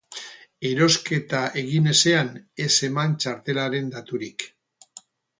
Erosketa egin ezean, ez eman txartelaren daturik.